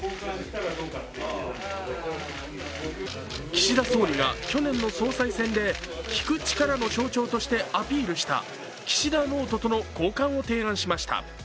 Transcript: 岸田総理が去年の総裁選で聞く力の象徴としてアピールした岸田ノートとの交換を提案しました。